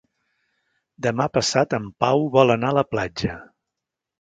Demà passat en Pau vol anar a la platja.